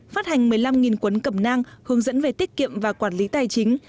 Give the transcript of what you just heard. phát hành một mươi năm quấn cầm nang hướng dẫn về tiết kiệm và quản lý tài chính